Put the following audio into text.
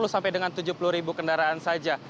sepuluh sampai dengan tujuh puluh ribu kendaraan saja